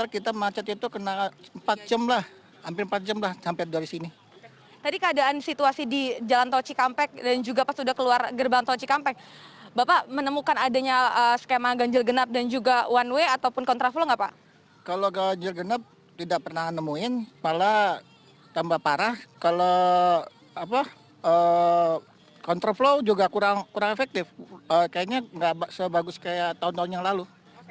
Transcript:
kalau kontra flow juga kurang efektif kayaknya gak sebagus kayak tahun tahun yang lalu